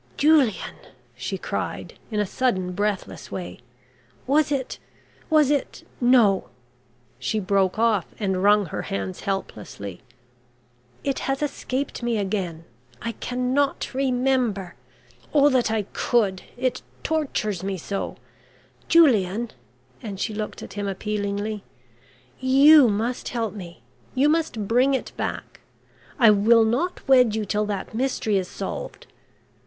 "Julian," she cried, in a sudden breathless way, "was it was it? No." She broke off and wrung her hands helplessly. "It has escaped me again. I cannot remember. Oh, that I could! It tortures me so. Julian " and she looked at him appealingly. "You must help me you must bring it back. I will not wed you till that mystery is solved.